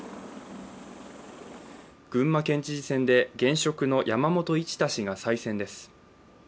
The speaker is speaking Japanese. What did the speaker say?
群馬県知事選で、現職の山本一太氏が再選です。